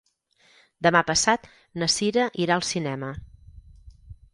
Demà passat na Cira irà al cinema.